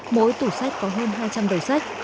mỗi tủ sách có hơn hai trăm linh đầu sách